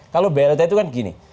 kalau blt itu kan gini